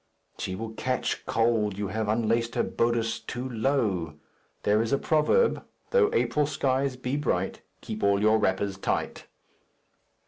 "She will catch cold; you have unlaced her bodice too low. There is a proverb, "'Though April skies be bright, Keep all your wrappers tight.'"